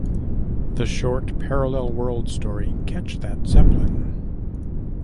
The short parallel worlds story Catch That Zeppelin!